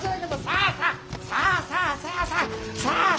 さあさあさあさあ。